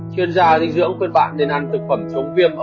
chuyên gia dinh dưỡng khuyên bạn nên ăn thực phẩm chống viêm